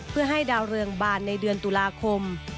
เพื่อให้ดาวเรืองบานในเดือนตุลาคม